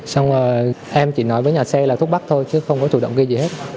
xong rồi em chỉ nói với nhà xe là thuốc bắc thôi chứ không có chủ động kê gì hết